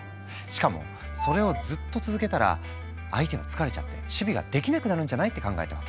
しかもそれをずっと続けたら相手が疲れちゃって守備ができなくなるんじゃない？って考えたわけ。